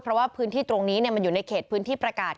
เพราะว่าพื้นที่ตรงนี้มันอยู่ในเขตพื้นที่ประกาศ